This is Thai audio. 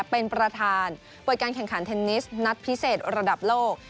เป็นประธานเปิดการแข่งขันเทนนิสนัดพิเศษระดับโลก